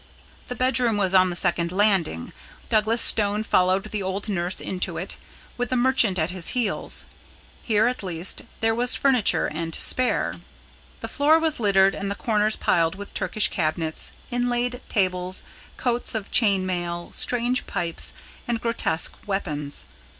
The bedroom was on the second landing. Douglas Stone followed the old nurse into it, with the merchant at his heels. Here, at least, there was furniture and to spare. The floor was littered and the corners piled with Turkish cabinets, inlaid tables, coats of chain mail, strange pipes, and grotesque weapons.